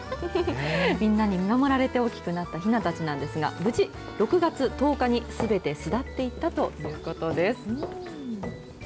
みんなに見守られて大きくなったひなたちなんですが、無事、６月１０日にすべて巣立っていったということです。